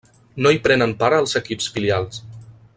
No hi prenen part els equips filials.